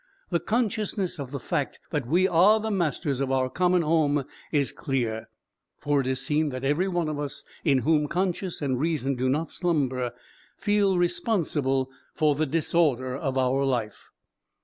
The consciousness of the fact that we are the masters of our common home is clear; for it is seen that every one of us in whom conscience and reason do not slumber, feels responsible for the disorder of our life.